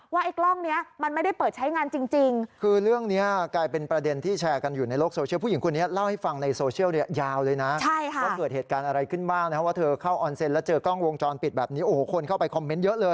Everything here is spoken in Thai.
ว่ากล้องนี้มันไม่ได้เปิดใช้งานจริง